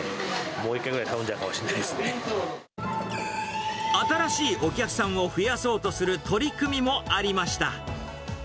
もう一回ぐらい頼んじゃうかもし新しいお客さんを増やそうとする取り組みもありました。